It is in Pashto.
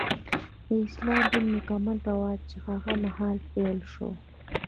د اسلام دین مکمل رواج هغه مهال پیل شو.